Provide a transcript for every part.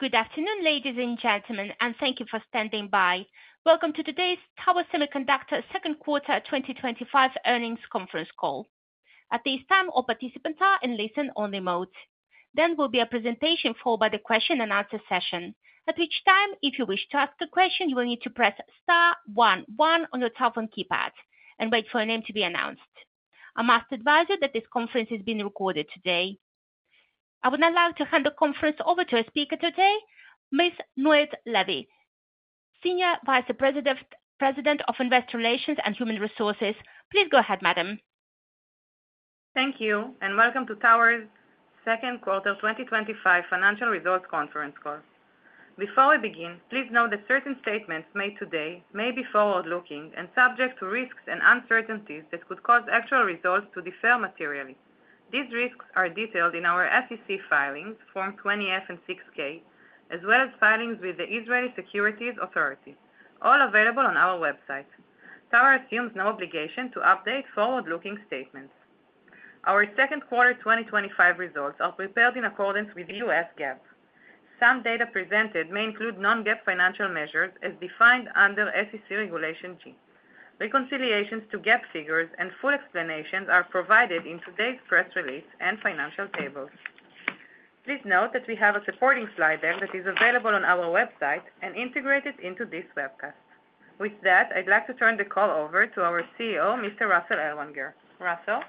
Good afternoon, ladies and gentlemen, and thank you for standing by. Welcome to today's Tower Semiconductor Second Quarter 2025 Earnings Conference Call. At this time, all participants are in listen-only mode. There will be a presentation followed by the question and answer session, at which time, if you wish to ask a question, you will need to press star one one on your telephone keypad and wait for your name to be announced. I must advise you that this conference is being recorded today. I would now like to hand the conference over to our speaker today, Ms. Noit Levy, Senior Vice President of Investor Relations and Human Resources. Please go ahead, Madam. Thank you, and welcome to Tower Semiconductor's Second Quarter 2025 Financial Results Conference Call. Before we begin, please note that certain statements made today may be forward-looking and subject to risks and uncertainties that could cause actual results to differ materially. These risks are detailed in our SEC filings, Form 20-F and 6-K, as well as filings with the Israeli Securities Authority, all available on our website. Tower assumes no obligation to update forward-looking statements. Our Second Quarter 2025 results are prepared in accordance with U.S. GAAP. Some data presented may include non-GAAP financial measures as defined under SEC Regulation G. Reconciliations to GAAP figures and full explanations are provided in today's press release and financial tables. Please note that we have a supporting slide deck that is available on our website and integrated into this webcast. With that, I'd like to turn the call over to our CEO, Mr. Russell Ellwanger. Russell?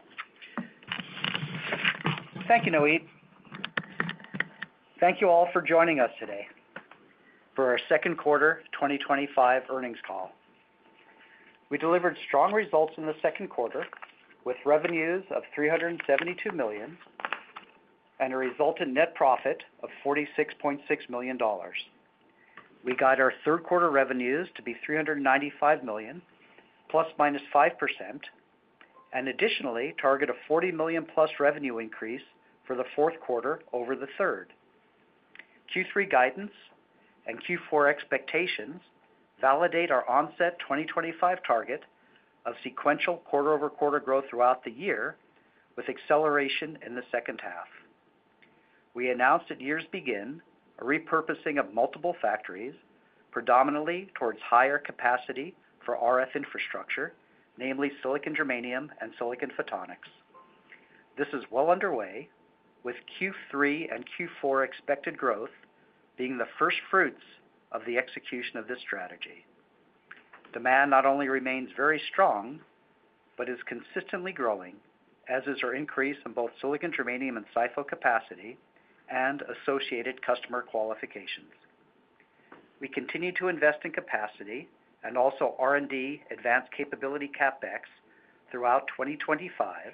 Thank you, Noit. Thank you all for joining us today for our Second Quarter 2025 Earnings Call. We delivered strong results in the second quarter with revenues of $372 million and a resultant net profit of $46.6 million. We guide our third quarter revenues to be $395 million ±5% and additionally target a $40+ million revenue increase for the fourth quarter over the third. Q3 guidance and Q4 expectations validate our onset 2025 target of sequential quarter-over-quarter growth throughout the year with acceleration in the second half. We announced at year's beginning a repurposing of multiple factories, predominantly towards higher capacity for RF infrastructure, namely silicon-germanium and silicon photonics. This is well underway, with Q3 and Q4 expected growth being the first fruits of the execution of this strategy. Demand not only remains very strong but is consistently growing, as is our increase in both silicon-germanium and silicon photonics capacity and associated customer qualifications. We continue to invest in capacity and also R&D advanced capability CapEx throughout 2025,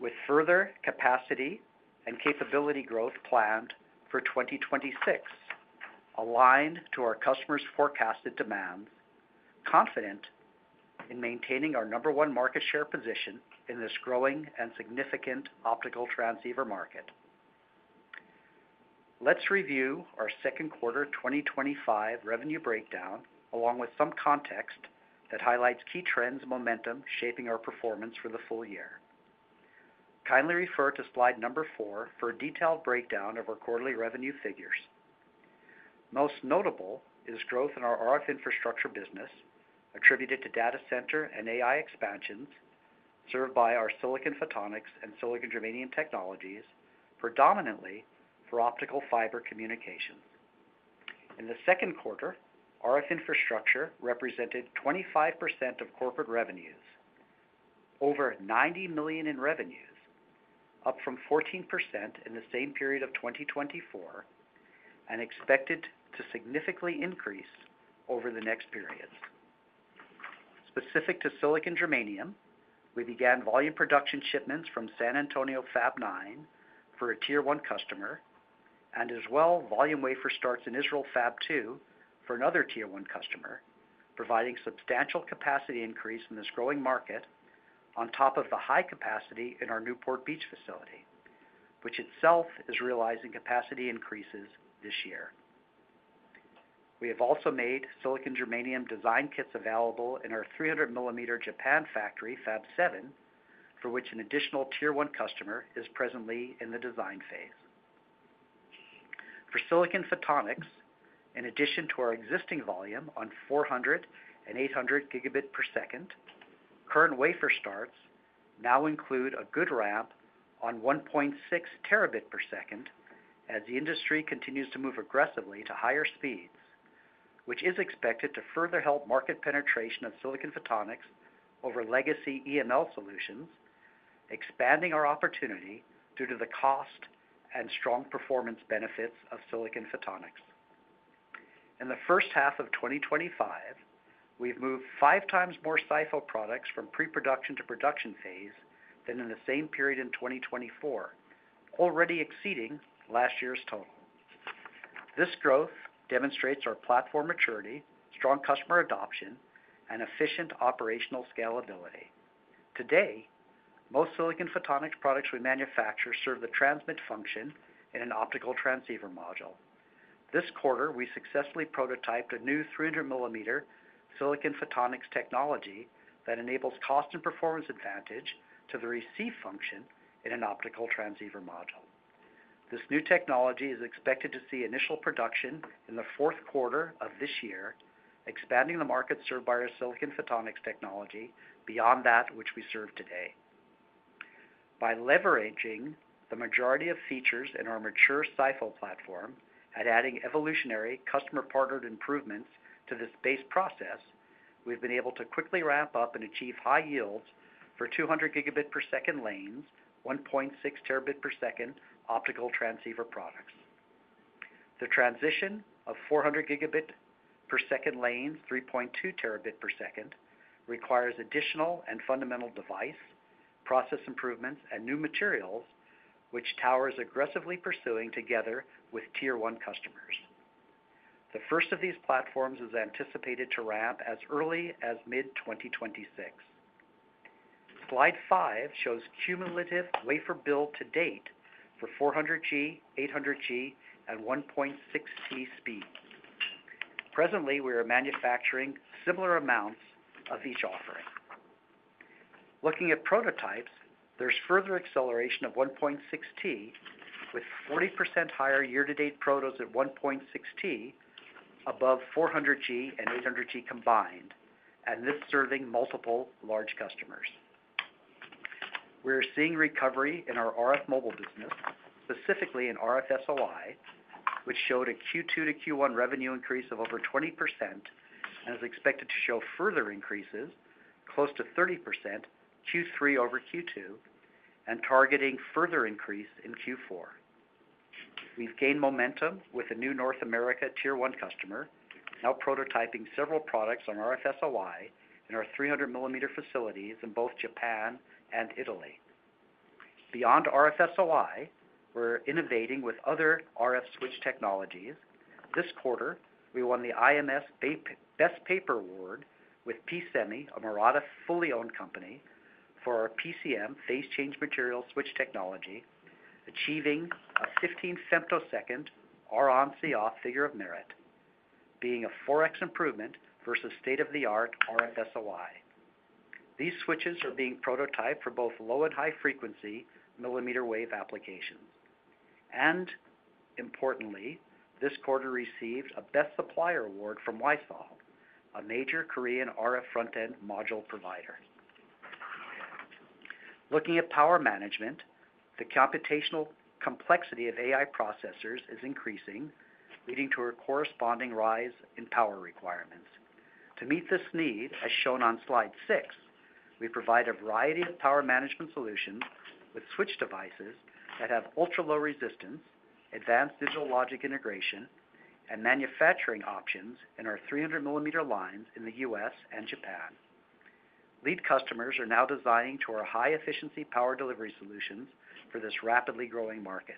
with further capacity and capability growth planned for 2026, aligned to our customers' forecasted demand, confident in maintaining our number one market share position in this growing and significant optical transceiver market. Let's review our Second Quarter 2025 revenue breakdown along with some context that highlights key trends and momentum shaping our performance for the full year. Kindly refer to slide number four for a detailed breakdown of our quarterly revenue figures. Most notable is growth in our RF infrastructure business attributed to data center and AI expansions served by our silicon photonics and silicon-germanium technologies, predominantly for optical fiber communications. In the second quarter, RF infrastructure represented 25% of corporate revenues, over $90 million in revenues, up from 14% in the same period of 2024 and expected to significantly increase over the next periods. Specific to silicon-germanium, we began volume production shipments from San Antonio Fab 9 for a Tier 1 customer and as well volume wafer starts in Israel Fab 2 for another Tier 1 customer, providing substantial capacity increase in this growing market on top of the high capacity in our Newport Beach facility, which itself is realizing capacity increases this year. We have also made silicon-germanium design kits available in our 300 mm Japan factory Fab 7, for which an additional Tier 1 customer is presently in the design phase. For silicon photonics, in addition to our existing volume on 400 Gb and 800 Gb per second, current wafer starts now include a good ramp on 1.6 Tb per second as the industry continues to move aggressively to higher speeds, which is expected to further help market penetration of silicon photonics over legacy EML solutions, expanding our opportunity due to the cost and strong performance benefits of silicon photonics. In the first half of 2025, we've moved 5x more silicon photonics products from pre-production to production phase than in the same period in 2024, already exceeding last year's total. This growth demonstrates our platform maturity, strong customer adoption, and efficient operational scalability. Today, most silicon photonics products we manufacture serve the transmit function in an optical transceiver module. This quarter, we successfully prototyped a new 300 mm silicon photonics technology that enables cost and performance advantage to the receive function in an optical transceiver module. This new technology is expected to see initial production in the fourth quarter of this year, expanding the market served by our silicon photonics technology beyond that which we serve today. By leveraging the majority of features in our mature silicon photonics platform and adding evolutionary customer-partnered improvements to this base process, we've been able to quickly ramp up and achieve high yields for 200 Gb per second lanes, 1.6 Tb per second optical transceiver products. The transition of 400 Gb per second lanes, 3.2 Tb per second, requires additional and fundamental device process improvements and new materials, which Tower is aggressively pursuing together with Tier 1 customers. The first of these platforms is anticipated to ramp as early as mid-2026. Slide five shows cumulative wafer build to date for 400G, 800G, and 1.6T speeds. Presently, we are manufacturing similar amounts of each offering. Looking at prototypes, there's further acceleration of 1.6T, with 40% higher year-to-date prototypes at 1.6T above 400G and 800G combined, and this serving multiple large customers. We're seeing recovery in our RF mobile business, specifically in RF-SOI, which showed a Q2 to Q1 revenue increase of over 20% and is expected to show further increases, close to 30% Q3 over Q2, and targeting further increase in Q4. We've gained momentum with a new North America Tier 1 customer, now prototyping several products on RF-SOI in our 300 mm facilities in both Japan and Italy. Beyond RF-SOI, we're innovating with other RF switch technologies. This quarter, we won the IMS Best Paper Award with pSemi, a Maratha fully owned company, for our PCM phase change material switch technology, achieving a 15 fs RONCO figure of merit, being a 4x improvement versus state-of-the-art RF-SOI. These switches are being prototyped for both low and high-frequency millimeter wave applications. Importantly, this quarter received a Best Supplier Award from Wisol, a major Korean RF front-end module provider. Looking at power management, the computational complexity of AI processors is increasing, leading to a corresponding rise in power requirements. To meet this need, as shown on slide six, we provide a variety of power management solutions with switch devices that have ultra-low resistance, advanced digital logic integration, and manufacturing options in our 300 mm lines in the U.S. and Japan. Lead customers are now designing to our high-efficiency power delivery solutions for this rapidly growing market.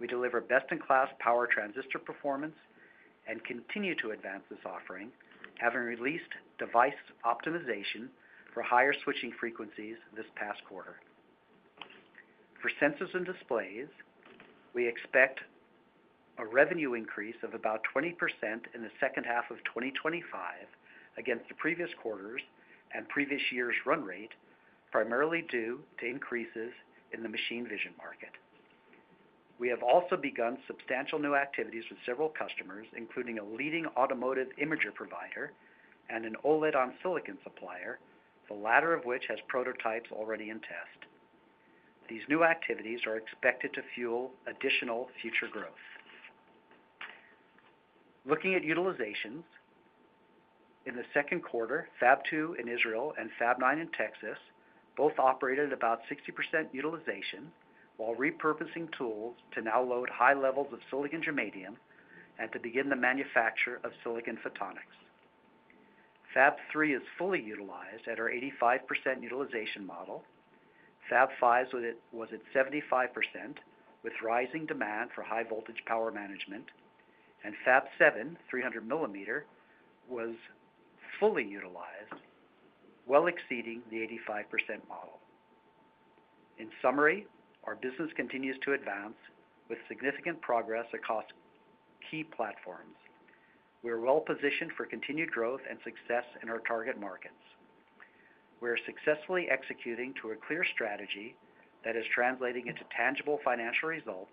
We deliver best-in-class power transistor performance and continue to advance this offering, having released device optimization for higher switching frequencies this past quarter. For sensors and displays, we expect a revenue increase of about 20% in the second half of 2025 against the previous quarters and previous year's run rate, primarily due to increases in the machine vision market. We have also begun substantial new activities with several customers, including a leading automotive imager provider and an OLED-on-silicon supplier, the latter of which has prototypes already in test. These new activities are expected to fuel additional future growth. Looking at utilizations, in the second quarter, Fab 2 in Israel and Fab 9 in Texas both operated at about 60% utilization while repurposing tools to now load high levels of silicon-germanium and to begin the manufacture of silicon photonics. Fab 3 is fully utilized at our 85% utilization model. Fab 5 was at 75%, with rising demand for high-voltage power management. Fab 7, 300 mm, was fully utilized, well exceeding the 85% model. In summary, our business continues to advance with significant progress across key platforms. We are well positioned for continued growth and success in our target markets. We are successfully executing to a clear strategy that is translating into tangible financial results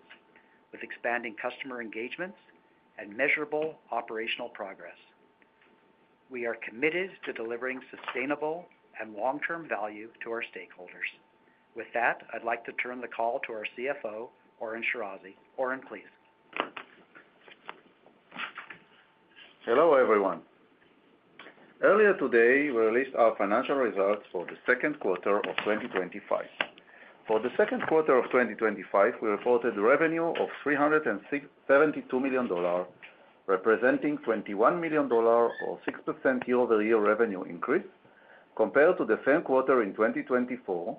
with expanding customer engagements and measurable operational progress. We are committed to delivering sustainable and long-term value to our stakeholders. With that, I'd like to turn the call to our CFO, Oren Shirazi. Oren, please. Hello, everyone. Earlier today, we released our financial results for the second quarter of 2025. For the second quarter of 2025, we reported revenue of $372 million, representing $21 million or 6% year-over-year revenue increase compared to the same quarter in 2024,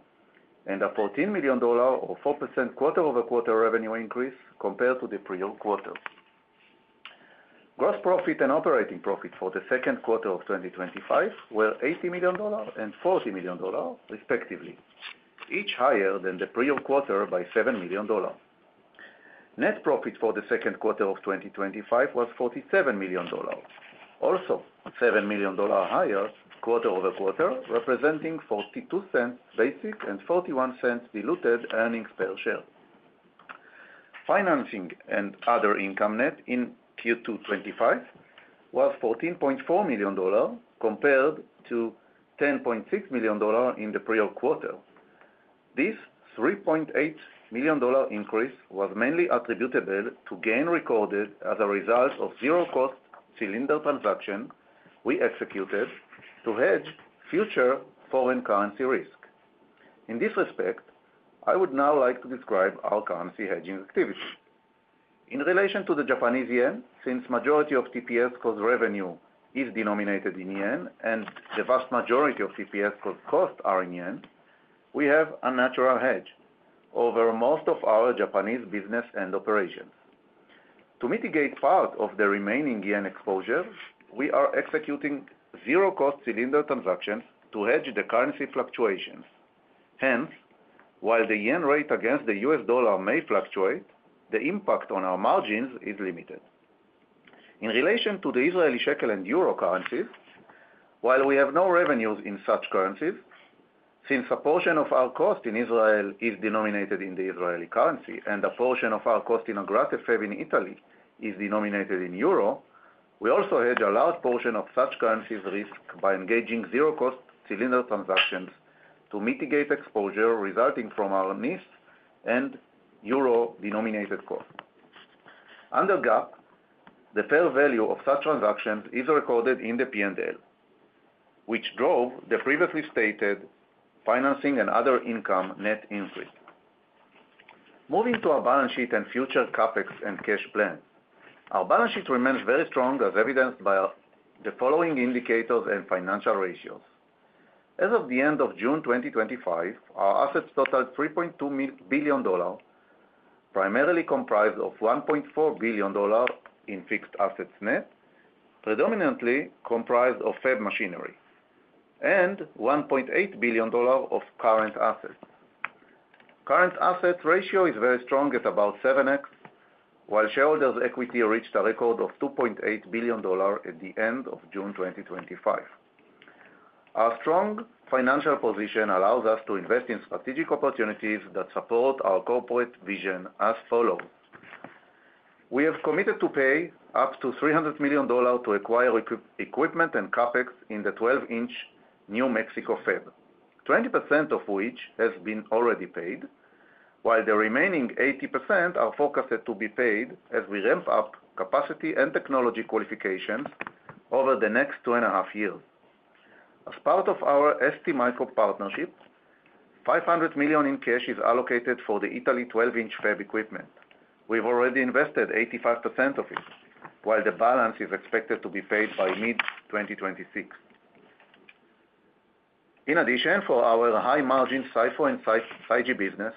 and a $14 million or 4% quarter-over-quarter revenue increase compared to the prior quarters. Gross profit and operating profit for the second quarter of 2025 were $80 million and $40 million, respectively, each higher than the prior quarter by $7 million. Net profit for the second quarter of 2025 was $47 million, also $7 million higher quarter-over-quarter, representing $0.42 basic and $0.41 diluted earnings per share. Financing and other income net in Q2 2025 was $14.4 million compared to $10.6 million in the prior quarter. This $3.8 million increase was mainly attributable to gains recorded as a result of zero-cost cylinder transactions we executed to hedge future foreign currency risk. In this respect, I would now like to describe our currency hedging activity. In relation to the Japanese yen, since the majority of TPSCo revenue is denominated in Yen and the vast majority of TPSCo costs are in Yen, we have a natural hedge over most of our Japanese business and operations. To mitigate part of the remaining Yen exposures, we are executing zero-cost collar transactions to hedge the currency fluctuations. Hence, while the Yen rate against the US dollar may fluctuate, the impact on our margins is limited. In relation to the Israeli shekel and euro currencies, while we have no revenues in such currencies, since a portion of our cost in Israel is denominated in the Israeli currency and a portion of our cost in Agrate, Italy is denominated in euro, we also hedge a large portion of such currencies' risk by engaging zero-cost collar transactions to mitigate exposure resulting from our NIS and euro-denominated costs. Under GAAP, the fair value of such transactions is recorded in the P&L, which drove the previously stated financing and other income net increase. Moving to our balance sheet and future CapEx and cash plan, our balance sheet remains very strong, as evidenced by the following indicators and financial ratios. As of the end of June 2025, our assets totaled $3.2 billion, primarily comprised of $1.4 billion in fixed assets net, predominantly comprised of fab machinery, and $1.8 billion of current assets. Current assets ratio is very strong at about 7x, while shareholders' equity reached a record of $2.8 billion at the end of June 2025. Our strong financial position allows us to invest in strategic opportunities that support our corporate vision as follows. We have committed to pay up to $300 million to acquire equipment and CapEx in the 12-inch New Mexico fab, 20% of which has been already paid, while the remaining 80% are forecasted to be paid as we ramp up capacity and technology qualifications over the next two and a half years. As part of our STMicroelectronics partnership, $500 million in cash is allocated for the Italy 12-inch fab equipment. We've already invested 85% of it, while the balance is expected to be paid by mid-2026. In addition, for our high-margin SiPho and 5G business,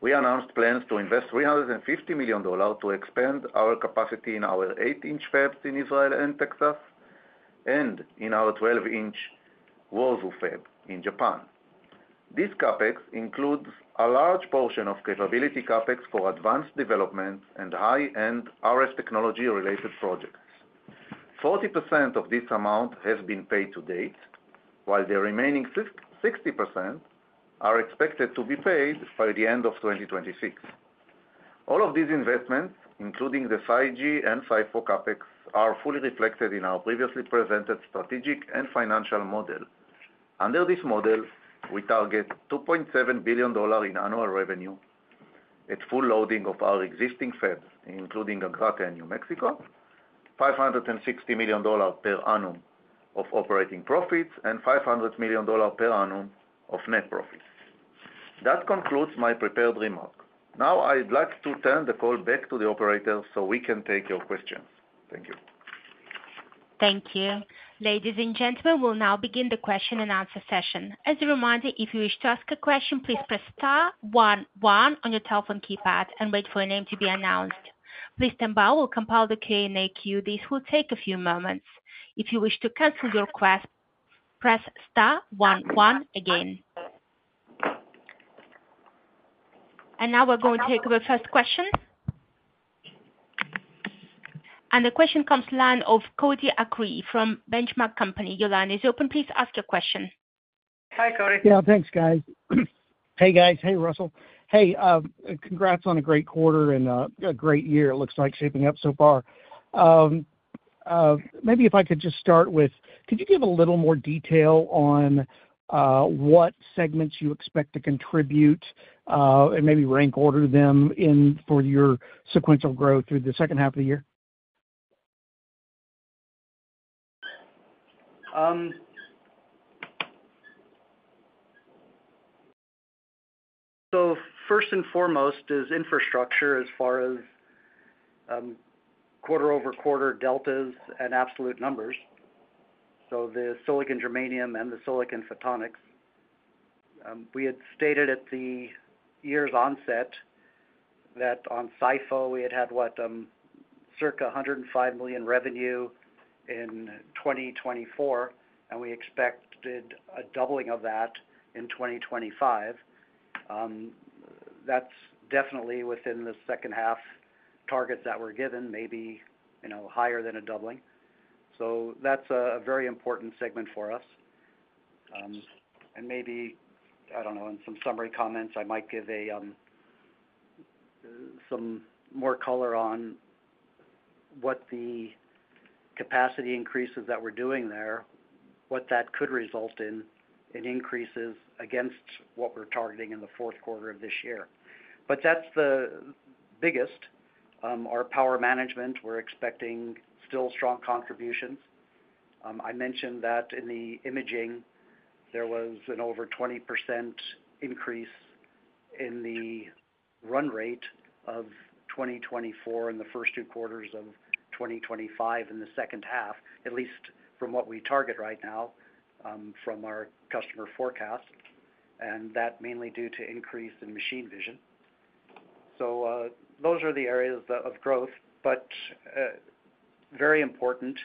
we announced plans to invest $350 million to expand our capacity in our 8-inch fabs in Israel and Texas, and in our 12-inch wafer fab in Japan. This CapEx includes a large portion of capability CapEx for advanced development and high-end RF technology-related projects. 40% of this amount has been paid to date, while the remaining 60% are expected to be paid by the end of 2026. All of these investments, including the 5G and SiPho CapEx, are fully reflected in our previously presented strategic and financial model. Under this model, we target $2.7 billion in annual revenue at full loading of our existing fabs, including a grateful favor in New Mexico, $560 million per annum of operating profits, and $500 million per annum of net profits. That concludes my prepared remark. Now, I'd like to turn the call back to the operator so we can take your questions. Thank you. Thank you. Ladies and gentlemen, we'll now begin the question and answer session. As a reminder, if you wish to ask a question, please press star one, one on your telephone keypad and wait for your name to be announced. Listening by will compile the Q&A queue. This will take a few moments. If you wish to cancel your request, press star one, one again. Now we're going to take the first question. The question comes to the line of Cody Acree from Benchmark. Your line is open. Please ask your question. Hi, Cody. Yeah, thanks, guys. Hey, guys. Hey, Russell. Hey, congrats on a great quarter and a great year, it looks like, shaping up so far. Maybe if I could just start with, could you give a little more detail on what segments you expect to contribute and maybe rank order them for your sequential growth through the second half of the year? First and foremost is infrastructure as far as quarter-over-quarter deltas and absolute numbers. The silicon-germanium and the silicon photonics. We had stated at the year's onset that on silicon photonics, we had, what, circa $105 million revenue in 2024, and we expected a doubling of that in 2025. That's definitely within the second half targets that we're given, maybe, you know, higher than a doubling. That's a very important segment for us. Maybe, in some summary comments, I might give some more color on what the capacity increases that we're doing there, what that could result in in increases against what we're targeting in the fourth quarter of this year. That's the biggest. Our power management, we're expecting still strong contributions. I mentioned that in the imaging, there was an over 20% increase in the run rate of 2024 in the first two quarters of 2025 in the second half, at least from what we target right now from our customer forecast, and that's mainly due to an increase in machine vision. Those are the areas of growth. Very important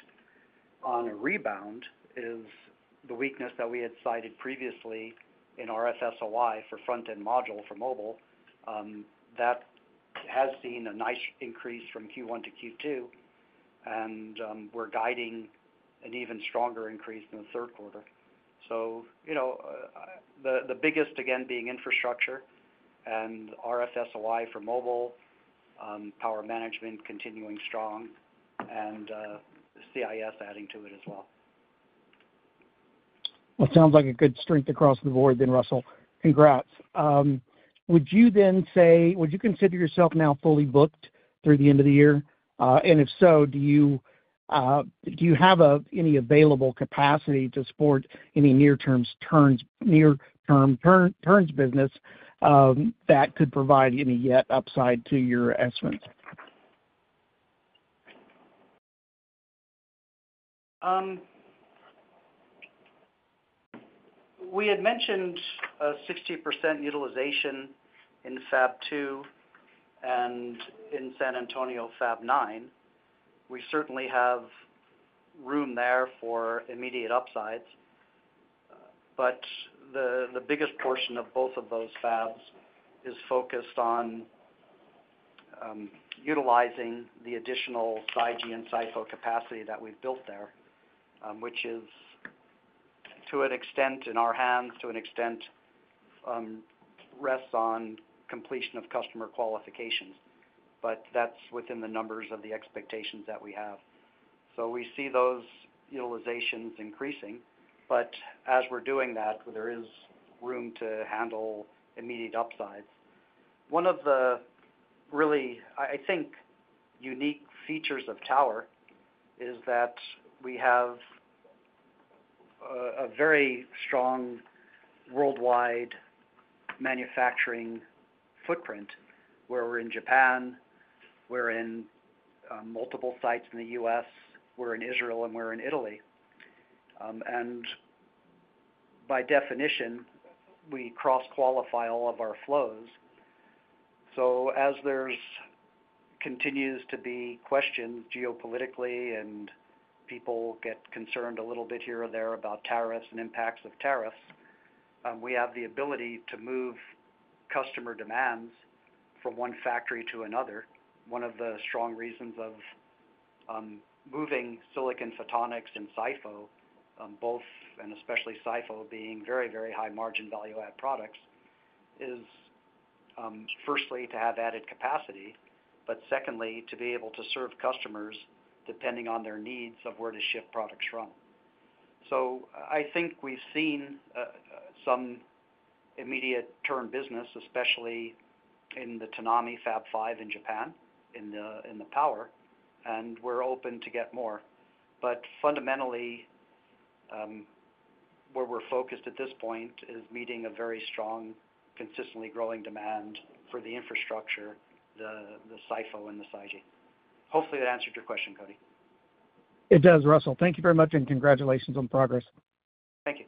on a rebound is the weakness that we had cited previously in RF-SOI for front-end module for mobile. That has seen a nice increase from Q1 to Q2, and we're guiding an even stronger increase in the third quarter. The biggest, again, being infrastructure and RF-SOI for mobile, power management continuing strong, and CIS adding to it as well. It sounds like a good strength across the board then, Russell. Congrats. Would you then say, would you consider yourself now fully booked through the end of the year? If so, do you have any available capacity to support any near-term turns business that could provide any yet upside to your estimates? We had mentioned a 60% utilization in Fab 2 and in San Antonio Fab 9. We certainly have room there for immediate upsides. The biggest portion of both of those fabs is focused on utilizing the additional 5G and SiPho capacity that we've built there, which is, to an extent, in our hands, to an extent rests on completion of customer qualifications. That's within the numbers of the expectations that we have. We see those utilizations increasing. As we're doing that, there is room to handle immediate upsides. One of the really, I think, unique features of Tower Semiconductor is that we have a very strong worldwide manufacturing footprint where we're in Japan, we're in multiple sites in the U.S., we're in Israel, and we're in Italy. By definition, we cross-qualify all of our flows. As there continues to be questions geopolitically and people get concerned a little bit here or there about tariffs and impacts of tariffs, we have the ability to move customer demands from one factory to another. One of the strong reasons of moving silicon photonics and SiPho, both and especially SiPho being very, very high-margin value-add products, is firstly to have added capacity, but secondly to be able to serve customers depending on their needs of where to ship products from. I think we've seen some immediate-term business, especially in the Tonami Fab 5 in Japan, in the power, and we're open to get more. Fundamentally, where we're focused at this point is meeting a very strong, consistently growing demand for the infrastructure, the SiPho and the 5G. Hopefully, that answered your question, Cody. It does, Russell. Thank you very much, and congratulations on the progress. Thank you.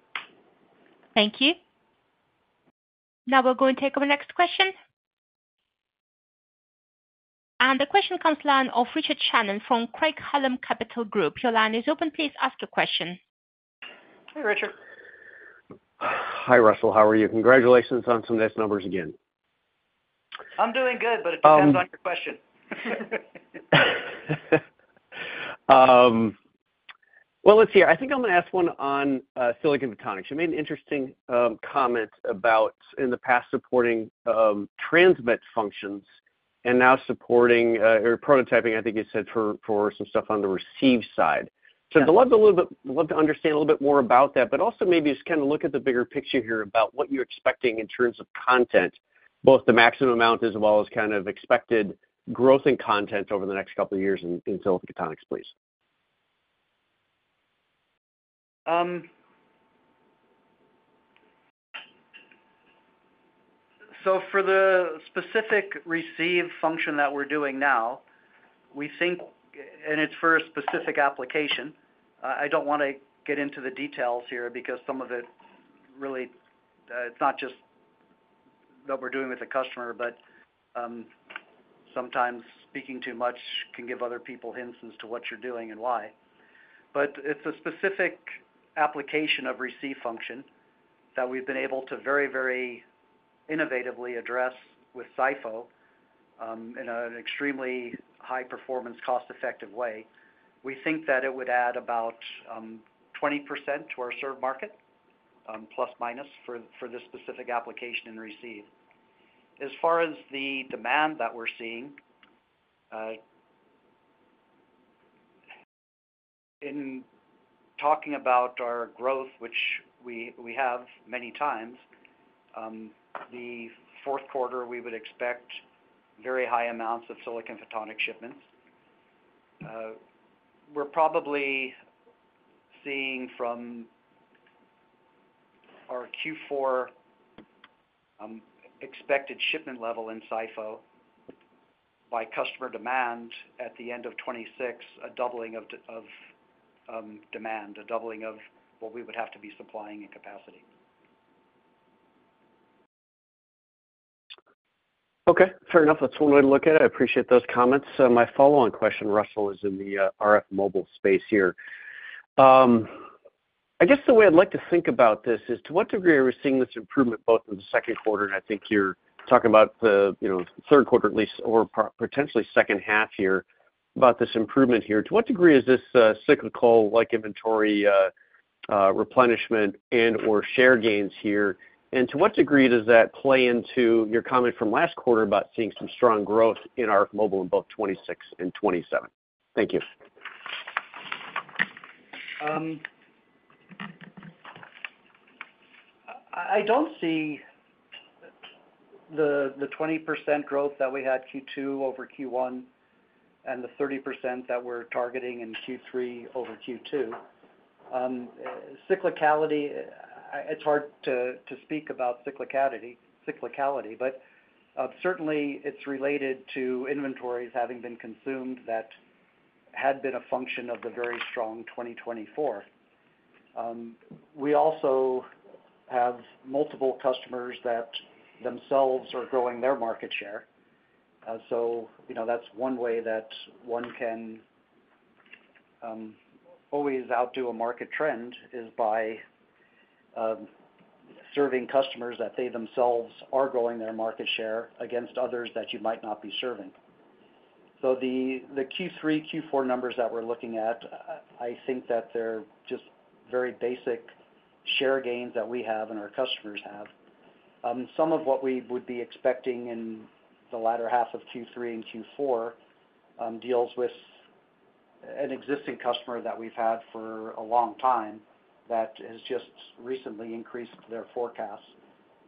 Thank you. Now we'll go and take our next question. The question comes to the line of Richard Shannon from Craig Hallum Capital Group. Your line is open. Please ask your question. Hey, Richard. Hi, Russell. How are you? Congratulations on some nice numbers again. I'm doing good, it depends on your question. I think I'm going to ask one on silicon photonics. You made an interesting comment about in the past supporting transmit functions and now supporting or prototyping, I think you said, for some stuff on the receive side. I'd love to understand a little bit more about that, but also maybe just kind of look at the bigger picture here about what you're expecting in terms of content, both the maximum amount as well as kind of expected growth in content over the next couple of years in silicon photonics, please. For the specific receive function that we're doing now, we think, and it's for a specific application, I don't want to get into the details here because some of it really, it's not just what we're doing with the customer, but sometimes speaking too much can give other people hints as to what you're doing and why. It's a specific application of receive function that we've been able to very, very innovatively address with SiPho in an extremely high-performance, cost-effective way. We think that it would add about 20% to our serve market, ± for this specific application in receive. As far as the demand that we're seeing, in talking about our growth, which we have many times, the fourth quarter, we would expect very high amounts of silicon photonics shipments. We're probably seeing from our Q4 expected shipment level in SiPho by customer demand at the end of 2026, a doubling of demand, a doubling of what we would have to be supplying in capacity. Okay. Fair enough. That's one way to look at it. I appreciate those comments. My follow-on question, Russell, is in the RF mobile space here. I guess the way I'd like to think about this is to what degree are we seeing this improvement both in the second quarter? I think you're talking about the third quarter at least or potentially second half here about this improvement here. To what degree is this cyclical like inventory replenishment and/or share gains here? To what degree does that play into your comment from last quarter about seeing some strong growth in RF mobile in both 2026 and 2027? Thank you. I don't see the 20% growth that we had Q2 over Q1 and the 30% that we're targeting in Q3 over Q2. Cyclicality, it's hard to speak about cyclicality, but certainly, it's related to inventories having been consumed that had been a function of the very strong 2024. We also have multiple customers that themselves are growing their market share. That's one way that one can always outdo a market trend, by serving customers that they themselves are growing their market share against others that you might not be serving. The Q3, Q4 numbers that we're looking at, I think that they're just very basic share gains that we have and our customers have. Some of what we would be expecting in the latter half of Q3 and Q4 deals with an existing customer that we've had for a long time that has just recently increased their forecasts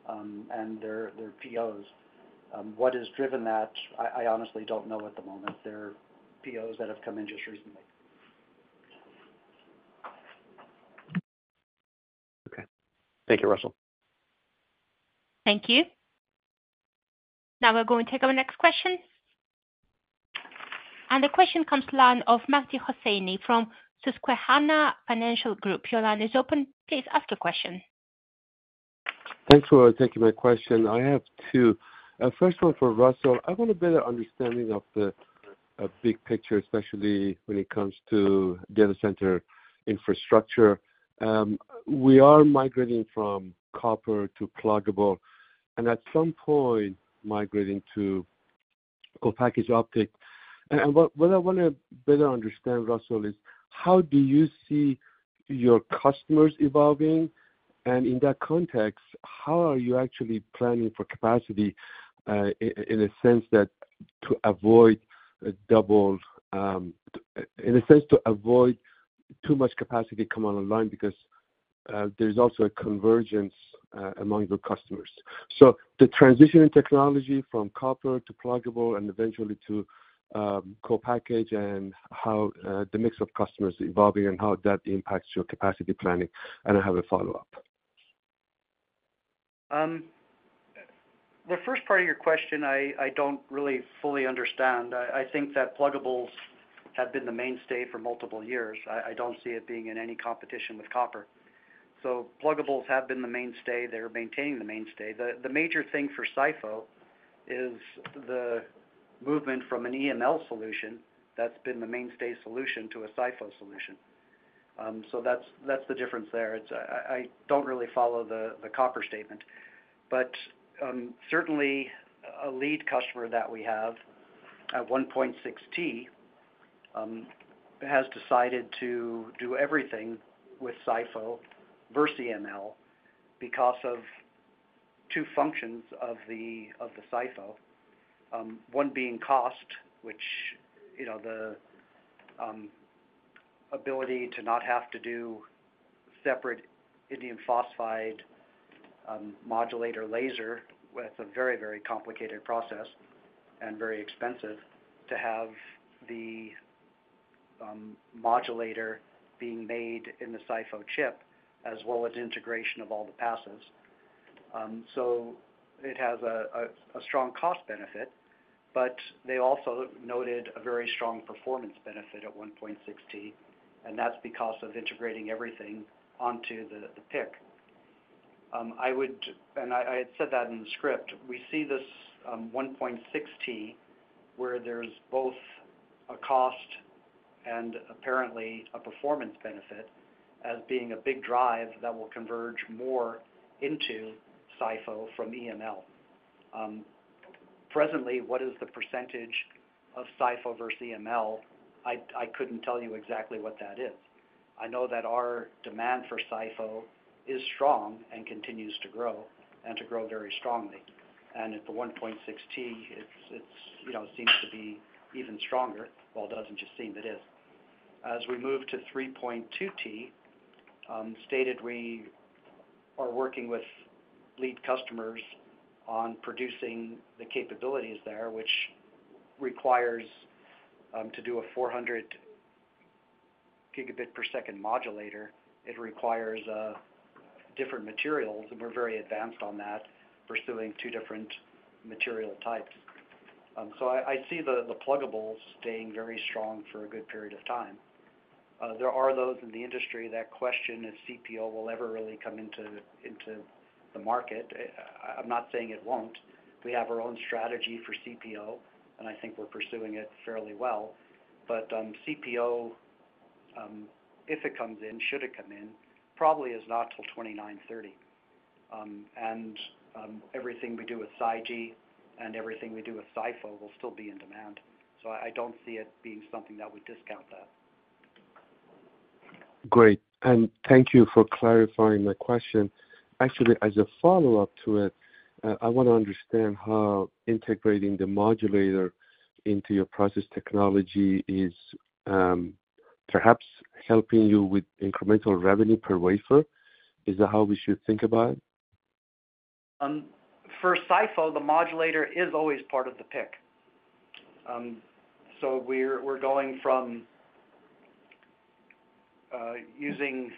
and their POs. What has driven that, I honestly don't know at the moment. There are POs that have come in just recently. Okay. Thank you, Russell. Thank you. Now we are going to take our next question. The question comes to the line of Mehdi Hosseini from Susquehanna Financial Group. Your line is open. Please ask your question. Thanks for taking my question. I have two. First one for Russell. I want a better understanding of the big picture, especially when it comes to data center infrastructure. We are migrating from copper to pluggable and at some point migrating to co-package optics. What I want to better understand, Russell, is how do you see your customers evolving? In that context, how are you actually planning for capacity in a sense that to avoid a double, in a sense to avoid too much capacity coming online because there is also a convergence among your customers? The transition in technology from copper to pluggable and eventually to co-package and how the mix of customers is evolving and how that impacts your capacity planning. I have a follow-up. The first part of your question, I don't really fully understand. I think that plugables have been the mainstay for multiple years. I don't see it being in any competition with copper. Plugables have been the mainstay. They're maintaining the mainstay. The major thing for SiPho is the movement from an ENL solution that's been the mainstay solution to a silicon SiPho. That's the difference there. I don't really follow the copper statement. Certainly, a lead customer that we have at 1.6T has decided to do everything with SiPho versus EML because of two functions of the SiPho. One being cost, which, you know, the ability to not have to do separate indium phosphide modulator laser, that's a very, very complicated process and very expensive to have the modulator being made in the silicon photonics chip as well as integration of all the passes. It has a strong cost benefit, but they also noted a very strong performance benefit at 1.6T, and that's because of integrating everything onto the PIC. I would, and I had said that in the script, we see this 1.6T where there's both a cost and apparently a performance benefit as being a big drive that will converge more into silicon photonics from ENL. Presently, what is the percentage of SiPho versus EML? I couldn't tell you exactly what that is. I know that our demand for silicon photonics is strong and continues to grow and to grow very strongly. At the 1.6T, it seems to be even stronger, well, it doesn't just seem, that is. As we move to 3.2T, stated we are working with lead customers on producing the capabilities there, which requires to do a 400 Gb per second modulator. It requires different materials, and we're very advanced on that, pursuing two different material types. I see the plugables staying very strong for a good period of time. There are those in the industry that question if CPO will ever really come into the market. I'm not saying it won't. We have our own strategy for CPO, and I think we're pursuing it fairly well. CPO, if it comes in, should it come in, probably is not till 2029 or 2030. Everything we do with 5G and everything we do with SiPho will still be in demand. I don't see it being something that would discount that. Great. Thank you for clarifying my question. Actually, as a follow-up to it, I want to understand how integrating the modulator into your process technology is perhaps helping you with incremental revenue per wafer. Is that how we should think about it? For SiPho, the modulator is always part of the PIC. We're going from using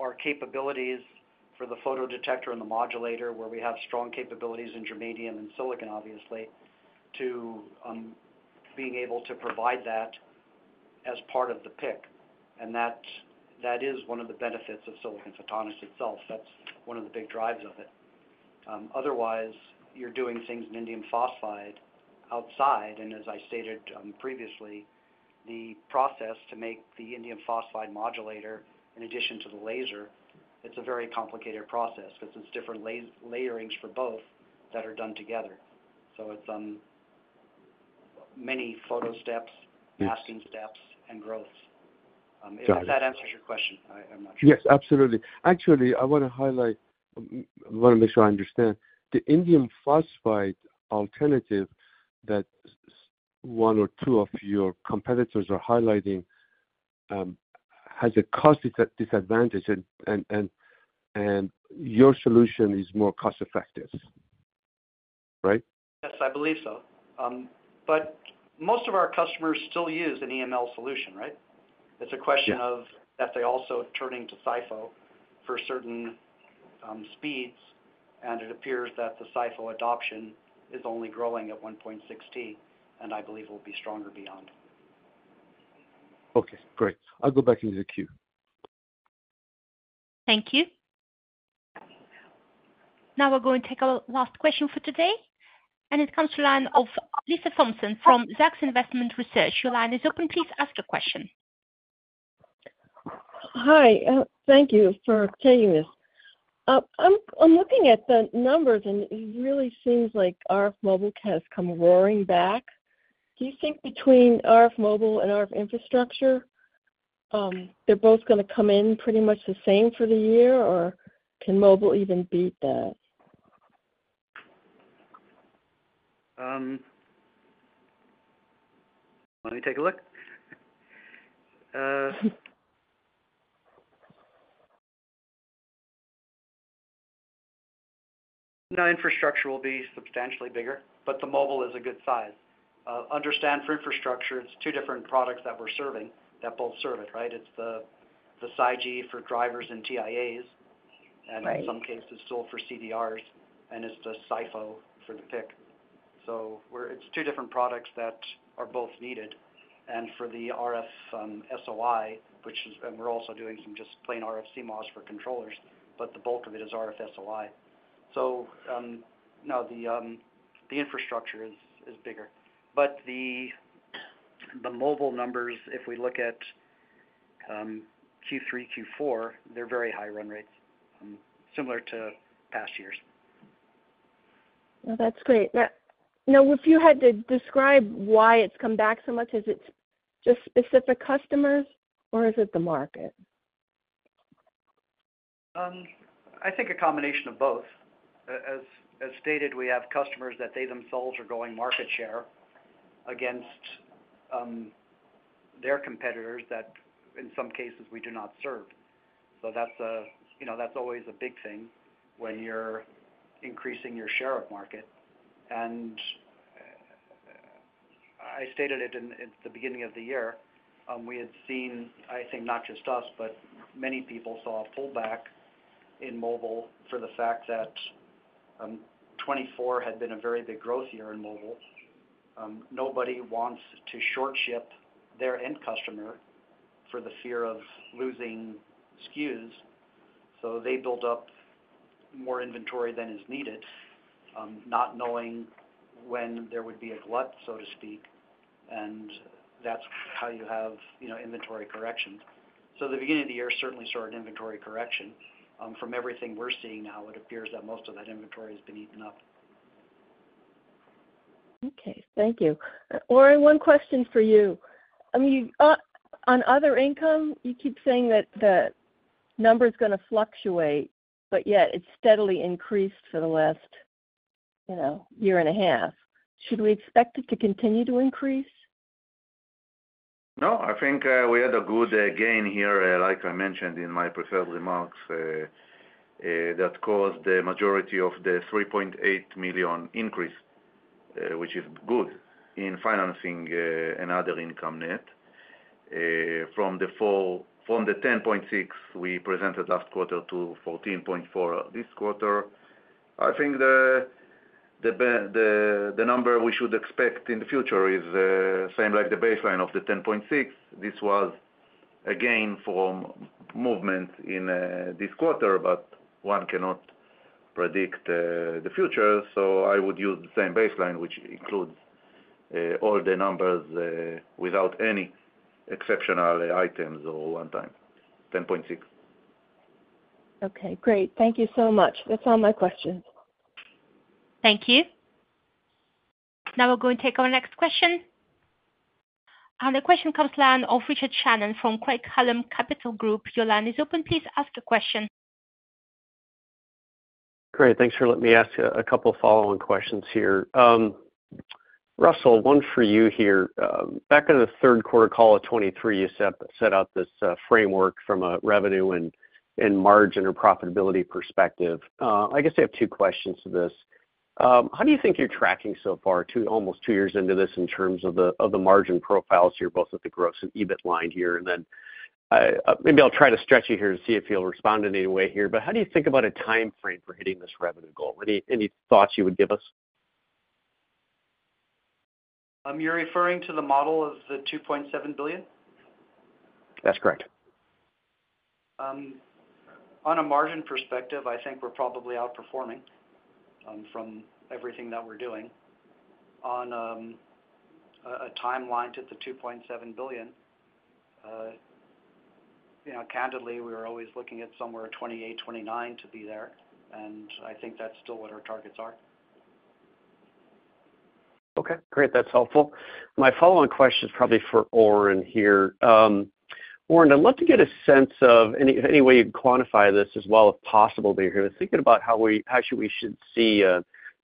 our capabilities for the photodetector and the modulator, where we have strong capabilities in germanium and silicon, obviously, to being able to provide that as part of the PIC. That is one of the benefits of silicon photonics itself. That's one of the big drives of it. Otherwise, you're doing things in indium phosphide outside. As I stated previously, the process to make the indium phosphide modulator, in addition to the laser, is a very complicated process because it's different layers for both that are done together. It's many photo steps, passing steps, and growth. If that answers your question, I'm not sure. Yes, absolutely. Actually, I want to highlight, I want to make sure I understand. The indium phosphide alternative that one or two of your competitors are highlighting has a cost disadvantage, and your solution is more cost-effective, right? Yes, I believe so. Most of our customers still use an EML, right? It's a question of that they also turn into SiPho for certain speeds, and it appears that the SiPho adoption is only growing at 1.6T, and I believe it will be stronger beyond. Okay, great. I'll go back into the queue. Thank you. Now we're going to take our last question for today. It comes to the line of Lisa Thompson from Zacks Investment Research. Your line is open. Please ask your question. Hi, thank you for taking this. I'm looking at the numbers, and it really seems like RF Mobile has come roaring back. Do you think between RF Mobile and RF infrastructure, they're both going to come in pretty much the same for the year, or can Mobile even beat that? Let me take a look. No, infrastructure will be substantially bigger, but the mobile is a good size. Understand for infrastructure, it's two different products that we're serving that both serve it, right? It's the 5G for drivers and TIAs, and in some cases, still for CDRs, and it's the SiPho for the PIC. It's two different products that are both needed. For the RF-SOI, which is, and we're also doing some just plain RF CMOS for controllers, but the bulk of it is RF-SOI. No, the infrastructure is bigger. The mobile numbers, if we look at Q3, Q4, they're very high run rates, similar to past years. No, that's great. Now, if you had to describe why it's come back so much, is it just specific customers, or is it the market? I think a combination of both. As stated, we have customers that they themselves are going market share against their competitors that, in some cases, we do not serve. That's always a big thing when you're increasing your share of market. I stated it at the beginning of the year. We had seen, I think, not just us, but many people saw a pullback in mobile for the fact that 2024 had been a very big growth year in mobile. Nobody wants to short-ship their end customer for the fear of losing SKUs. They build up more inventory than is needed, not knowing when there would be a glut, so to speak. That's how you have inventory corrections. The beginning of the year certainly saw an inventory correction. From everything we're seeing now, it appears that most of that inventory has been eaten up. Okay. Thank you. Oren, one question for you. I mean, on other income, you keep saying that the number is going to fluctuate, but yet it's steadily increased for the last, you know, year and a half. Should we expect it to continue to increase? No, I think we had a good gain here, like I mentioned in my prepared remarks, that caused the majority of the $3.8 million increase, which is good in financing and other income net. From the $10.6 million we presented last quarter to $14.4 million this quarter, I think the number we should expect in the future is the same like the baseline of the $10.6 million. This was a gain from movement in this quarter, but one cannot predict the future. I would use the same baseline, which includes all the numbers without any exceptional items or one-time $10.6 million. Okay. Great. Thank you so much. That's all my questions. Thank you. Now we're going to take our next question. The question comes to the line of Richard Shannon from Craig Hallum Capital Group. Your line is open. Please ask your question. Great. Thanks for letting me ask you a couple of follow-on questions here. Russell, one for you here. Back in the third quarter call of 2023, you set out this framework from a revenue and margin or profitability perspective. I guess I have two questions to this. How do you think you're tracking so far, almost two years into this, in terms of the margin profiles here, both at the gross and EBIT line here? Maybe I'll try to stretch it here and see if you'll respond in any way here. How do you think about a timeframe for hitting this revenue goal? Any thoughts you would give us? You're referring to the model of the $2.7 billion? That's correct. On a margin perspective, I think we're probably outperforming from everything that we're doing. On a timeline to the $2.7 billion, you know, candidly, we were always looking at somewhere 2028, 2029 to be there. I think that's still what our targets are. Okay. Great. That's helpful. My follow-on question is probably for Oren here. Oren, I'd love to get a sense of any way you'd quantify this as well, if possible, thinking about how we should see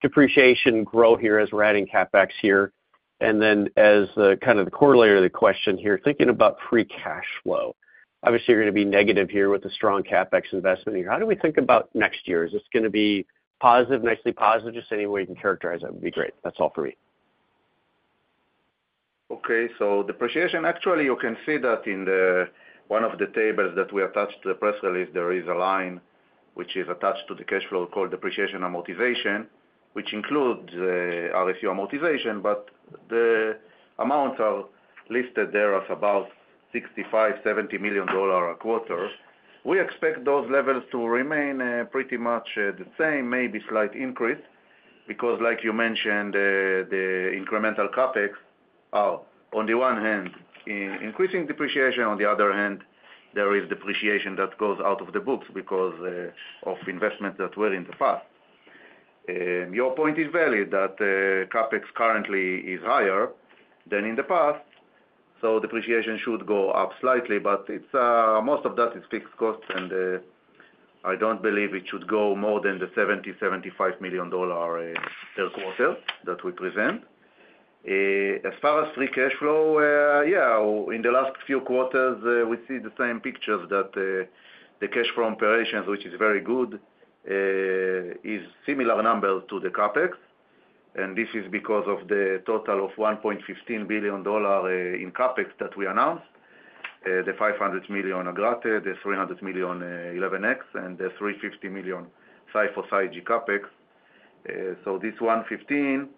depreciation grow here as we're adding CapEx here. As kind of the corollary of the question here, thinking about free cash flow, obviously, you're going to be negative here with a strong CapEx investment here. How do we think about next year? Is this going to be positive, nicely positive? Just any way you can characterize that would be great. That's all for me. Okay. So depreciation, actually, you can see that in one of the tables that we attached to the press release, there is a line which is attached to the cash flow called depreciation amortization, which includes RSU amortization. The amounts are listed there as about $65 million, $70 million a quarter. We expect those levels to remain pretty much the same, maybe slight increase because, like you mentioned, the incremental CapEx, on the one hand, increasing depreciation. On the other hand, there is depreciation that goes out of the books because of investments that were in the past. Your point is valid that CapEx currently is higher than in the past. Depreciation should go up slightly, but most of that is fixed costs, and I don't believe it should go more than the $70 million, $75 million per quarter that we present. As far as free cash flow, in the last few quarters, we see the same pictures that the cash flow operations, which is very good, is a similar number to the CapEx. This is because of the total of $1.15 billion in CapEx that we announced, the $500 million grateful, the $300 million 11x, and the $350 million SiPho 5G CapEx. This $1.15 billion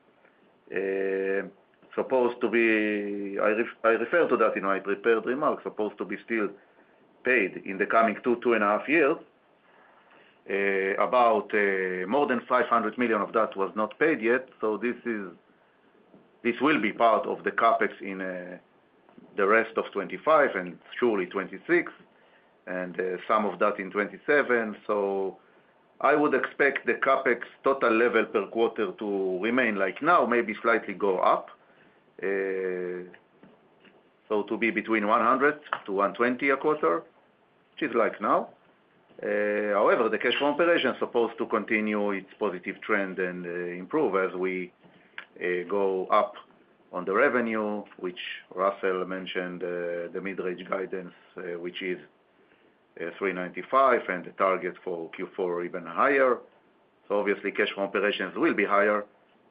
supposed to be, I refer to that in my prepared remarks, supposed to be still paid in the coming two, two and a half years. More than $500 million of that was not paid yet. This will be part of the CapEx in the rest of 2025 and surely 2026, and some of that in 2027. I would expect the CapEx total level per quarter to remain like now, maybe slightly go up, to be between $100 million to $120 million a quarter, which is like now. However, the cash flow operation is supposed to continue its positive trend and improve as we go up on the revenue, which Russell mentioned, the mid-range guidance, which is $395 million, and the target for Q4 even higher. Obviously, cash flow operations will be higher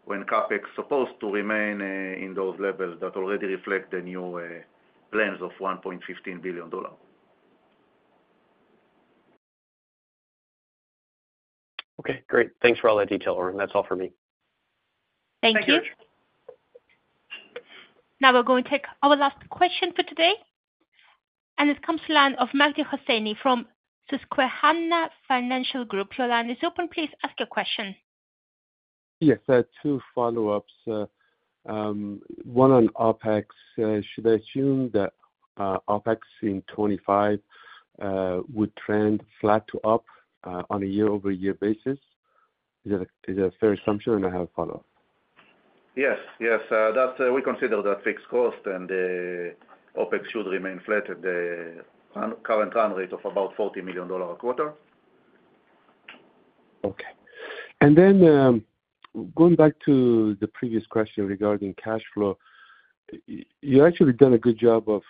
when CapEx is supposed to remain in those levels that already reflect the new plans of $1.15 billion. Okay. Great. Thanks for all that detail, Oren. That's all for me. Thank you. Now we're going to take our last question for today. This comes to the line of Mehdi Hosseini from Susquehanna Financial Group. Your line is open. Please ask your question. Yes. I have two follow-ups. One on OpEx. Should I assume that OpEx in 2025 would trend flat to up on a year-over-year basis? Is that a fair assumption? I have a follow-up. Yes. Yes. We consider that fixed cost and the OpEx should remain flat at the current run rate of about $40 million a quarter. Okay. Going back to the previous question regarding cash flow, you actually have done a good job of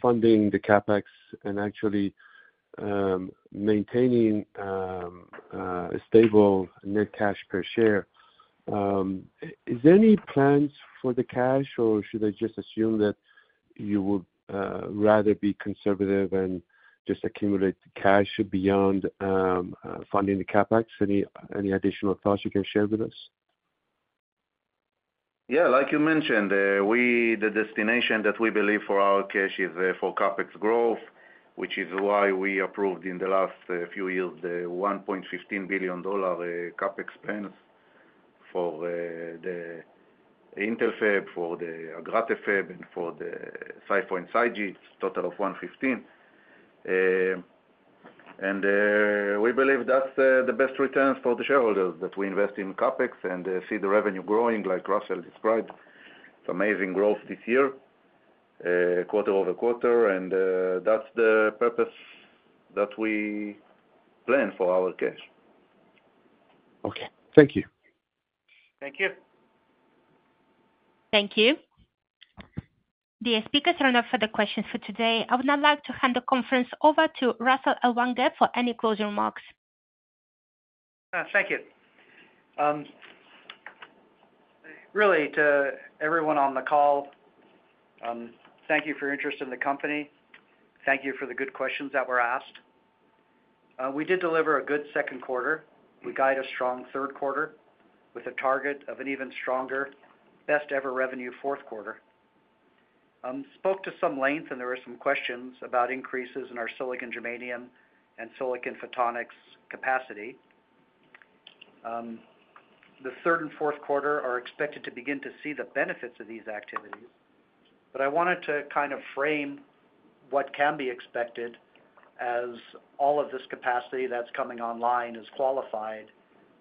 funding the CapEx and actually maintaining a stable net cash per share. Is there any plans for the cash, or should I just assume that you would rather be conservative and just accumulate cash beyond funding the CapEx? Any additional thoughts you can share with us? Yeah. Like you mentioned, the destination that we believe for our cash is for CapEx growth, which is why we approved in the last few years the $1.15 billion CapEx spend for the Intel fab, for the Agrate fab, and for the SiPho and 5G, total of $1.15 billion. We believe that's the best returns for the shareholders that we invest in CapEx and see the revenue growing like Russell described. It's amazing growth this year, quarter over quarter. That's the purpose that we plan for our cash. Okay, thank you. Thank you. Thank you. The speakers are enough for the questions for today. I would now like to hand the conference over to Russell Ellwanger for any closing remarks. Thank you. Really, to everyone on the call, thank you for your interest in the company. Thank you for the good questions that were asked. We did deliver a good second quarter. We guide a strong third quarter with a target of an even stronger best-ever revenue fourth quarter. Spoke to some length, and there were some questions about increases in our silicon-germanium and silicon photonics capacity. The third and fourth quarter are expected to begin to see the benefits of these activities. I wanted to kind of frame what can be expected as all of this capacity that's coming online is qualified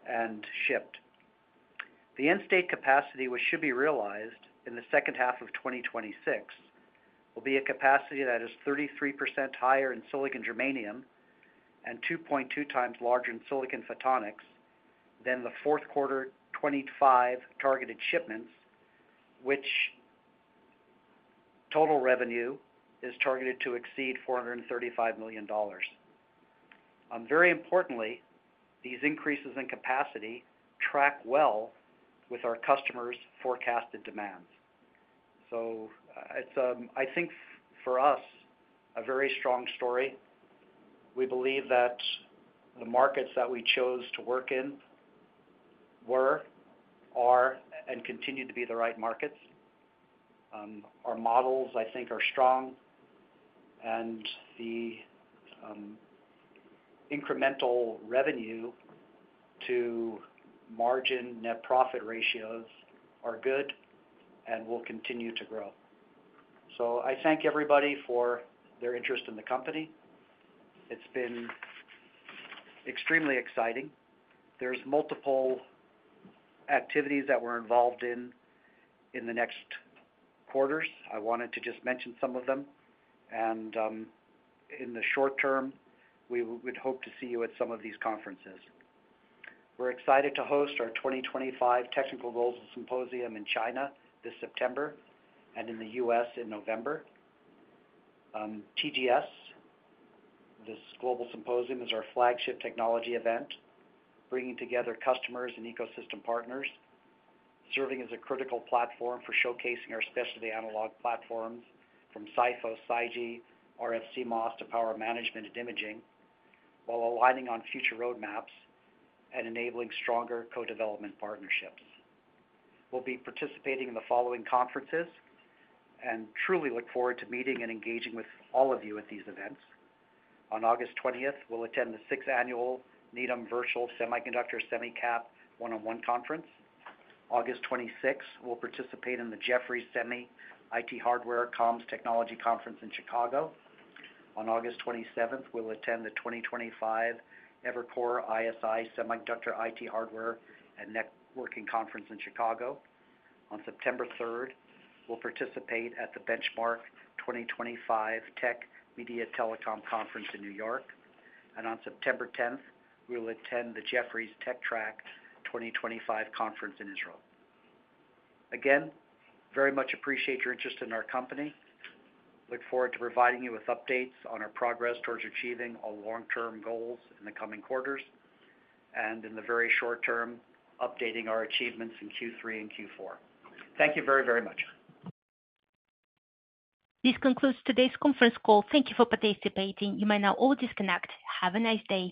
and shipped. The end-state capacity, which should be realized in the second half of 2026, will be a capacity that is 33% higher in silicon-germanium and 2.2x larger in silicon photonics than the fourth quarter 2025 targeted shipments, which total revenue is targeted to exceed $435 million. Very importantly, these increases in capacity track well with our customers' forecasted demands. It's, I think, for us, a very strong story. We believe that the markets that we chose to work in were, are, and continue to be the right markets. Our models, I think, are strong, and the incremental revenue to margin net profit ratios are good and will continue to grow. I thank everybody for their interest in the company. It's been extremely exciting. There are multiple activities that we're involved in in the next quarters. I wanted to just mention some of them. In the short term, we would hope to see you at some of these conferences. We're excited to host our 2025 Technical Goals Symposium in China this September and in the U.S. in November. TGS, this global symposium, is our flagship technology event, bringing together customers and ecosystem partners, serving as a critical platform for showcasing our specialty analog platforms from SiPho, 5G, RF CMOS to power management and imaging, while aligning on future roadmaps and enabling stronger co-development partnerships. We'll be participating in the following conferences and truly look forward to meeting and engaging with all of you at these events. On August 20, we'll attend the sixth annual Needham Virtual Semiconductor SEMICAP 101 Conference. August 26th, we'll participate in the Jefferies SEMI IT Hardware Comms Technology Conference in Chicago. On August 27th, we'll attend the 2025 Evercore ISI Semiconductor IT Hardware and Networking Conference in Chicago. On September 3rd, we'll participate at the Benchmark 2025 Tech Media Telecom Conference in New York. On September 10th, we will attend the Jefferies TechTrack 2025 Conference in Israel. Again, very much appreciate your interest in our company. Look forward to providing you with updates on our progress towards achieving our long-term goals in the coming quarters and in the very short term, updating our achievements in Q3 and Q4. Thank you very, very much. This concludes today's conference call. Thank you for participating. You may now all disconnect. Have a nice day.